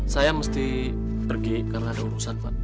saya mesti pergi karena ada urusan pak